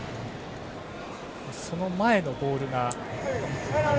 その前のボールが。